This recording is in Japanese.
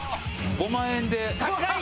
５万円で。